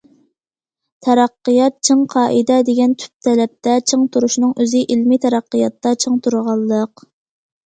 تەرەققىيات چىڭ قائىدە دېگەن تۈپ تەلەپتە چىڭ تۇرۇشنىڭ ئۆزى ئىلمىي تەرەققىياتتا چىڭ تۇرغانلىق.